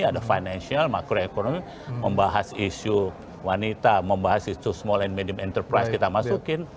ada financial makroeconomy membahas isu wanita membahas isu small and medium enterprise kita masukin